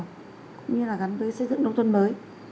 cũng như là gắn với xây dựng nông thôn mới